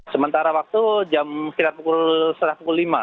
sementara waktu jam sekitar pukul setengah pukul lima